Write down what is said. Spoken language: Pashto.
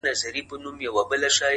د تکراري حُسن چيرمني هر ساعت نوې یې ـ